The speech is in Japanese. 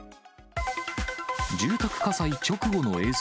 住宅火災直後の映像。